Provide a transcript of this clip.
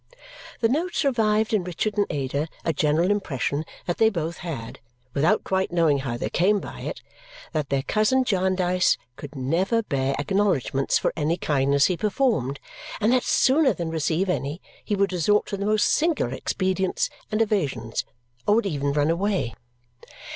The notes revived in Richard and Ada a general impression that they both had, without quite knowing how they came by it, that their cousin Jarndyce could never bear acknowledgments for any kindness he performed and that sooner than receive any he would resort to the most singular expedients and evasions or would even run away.